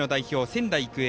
仙台育英。